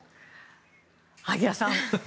萩谷さん